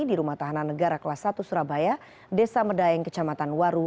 di rumah tahanan negara kelas satu surabaya desa medaeng kecamatan waru